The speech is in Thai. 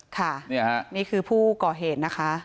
ค่ะนี่คือผู้ก่อเหตุนะคะ